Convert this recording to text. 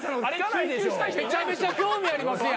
めちゃめちゃ興味ありますやん。